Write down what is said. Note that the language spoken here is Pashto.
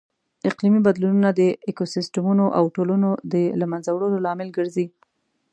اقلیمي بدلونونه د ایکوسیسټمونو او ټولنو د لهمنځه وړلو لامل ګرځي.